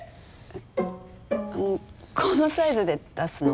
このサイズで出すの？